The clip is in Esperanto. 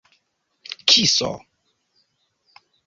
kiso